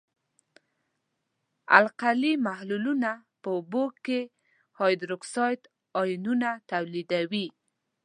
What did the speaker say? القلي محلولونه په اوبو کې هایدروکساید آیونونه تولیدوي.